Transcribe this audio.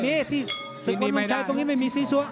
ไม่มีสุดมนต์ลงใจตรงนี้ไม่มีซีซัว